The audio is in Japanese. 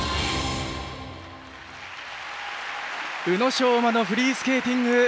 宇野昌磨のフリースケーティング。